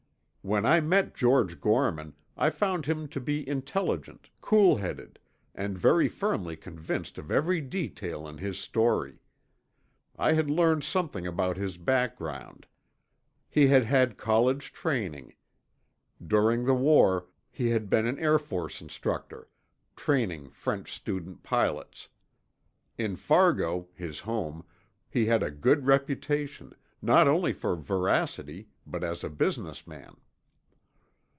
When I met George Gorman, I found him to be intelligent, coolheaded, and very firmly convinced of every detail in his story. I had learned something about his background. He had had college training. During the war, he had been an Air Force instructor, training French student pilots. In Fargo, his home, he had a good reputation, not only for veracity but as a businessman.